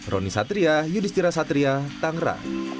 roni satria yudhistira satria tangerang